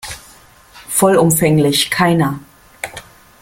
Vollumfänglich, keiner.